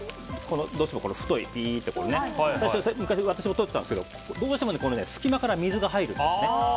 どうしてもこの太いところを私も昔は取ってたんですがどうしてもこの隙間から水が入るんですね。